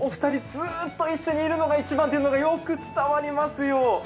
ずーっと一緒にいるのが一番というのがよく伝わりますよ。